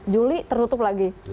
juli tertutup lagi